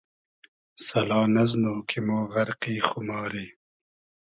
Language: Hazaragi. سئلا نئزنو کی مۉ غئرقی خوماری